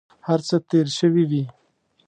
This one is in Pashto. هر څه تېر شوي وي.